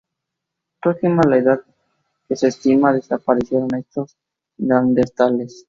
Próximo a la edad que se estima desaparecieron estos Neandertales.